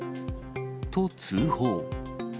と、通報。